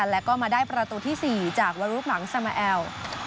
แล้วก็มาได้ประตูที่๔จากวรุหลังสมาแอล